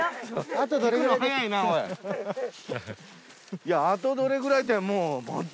いや「あとどれぐらい」ってもう。